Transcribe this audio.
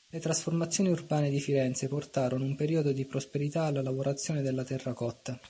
Le trasformazioni urbane di Firenze portarono un periodo di prosperità alla lavorazione della terracotta.